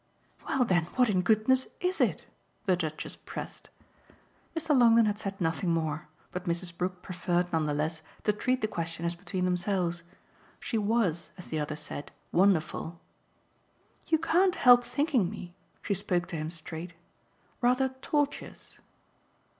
"Well then what in goodness is it?" the Duchess pressed. Mr. Longdon had said nothing more, but Mrs. Brook preferred none the less to treat the question as between themselves. She WAS, as the others said, wonderful. "You can't help thinking me" she spoke to him straight "rather tortuous."